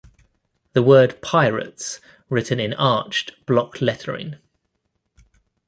The word "Pirates" written in arched, blocked lettering.